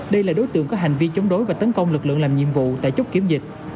đây là đối tượng có hành vi chống đối và tấn công lực lượng làm nhiệm vụ tại chốt kiểm dịch